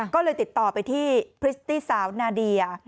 ก็เลยติดต่อไปที่พริตตี้สาวนาเดีย